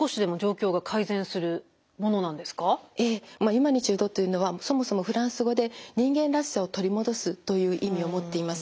ユマニチュードというのはそもそもフランス語で人間らしさを取り戻すという意味を持っています。